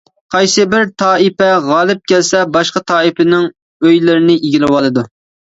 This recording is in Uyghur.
قايسى بىر تائىپە غالىب كەلسە، باشقا تائىپىنىڭ ئۆيلىرىنى ئىگىلىۋالىدۇ.